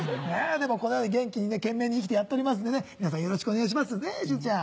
でもこのように元気にね懸命に生きてやっとりますんで皆さんよろしくお願いしますねぇしずちゃん。